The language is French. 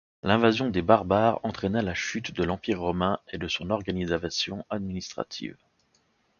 L’invasion des barbares entraîna la chute de l’Empire romain et de son organisation administrative.